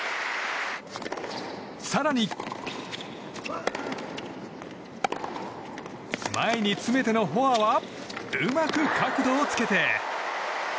更に前に詰めてのフォアはうまく角度をつけて。